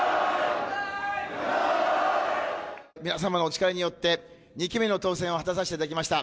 皆様のお力によって２期目の当選を果たさせていただきました。